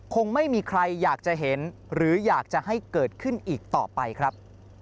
คงไม่มีใครอยากจะเห็นหรืออยากจะให้เกิดขึ้นอีกต่อไปครับ